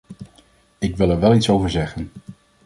Ik wil er wel iets over zeggen.